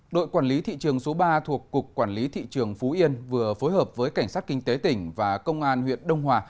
đội quản lý thị trường số ba thuộc cục quản lý thị trường phú yên vừa phối hợp với cảnh sát kinh tế tỉnh và công an huyện đông hòa